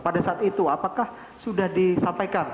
pada saat itu apakah sudah disampaikan